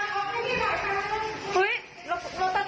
ต้องถิดวันข้าย